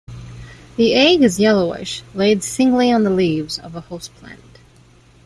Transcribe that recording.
The egg is yellowish, laid singly on the leaves of a host plant.